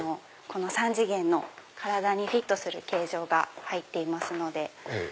３次元の体にフィットする形状が入っていますので。